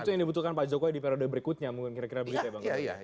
itu yang dibutuhkan pak jokowi di periode berikutnya mungkin kira kira begitu ya bang